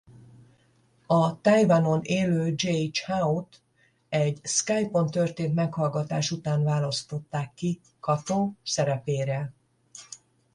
A Tajvanon élő Jay Chout egy Skype-on történt meghallgatás után választották ki Kato szerepére.